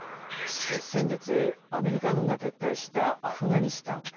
先月、アメリカ軍が撤退したアフガニスタン。